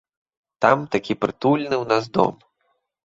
Там такi прытульны ў нас дом.